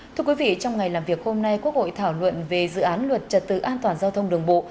thưa quý vị trong ngày làm việc hôm nay quốc hội thảo luận về dự án luật trật tự an toàn giao thông đường bộ